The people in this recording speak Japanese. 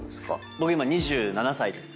僕今２７歳です。